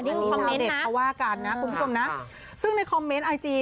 อันนี้คือคอมเม้นต์นะคุณผู้ชมนะซึ่งในคอมเม้นต์ไอจี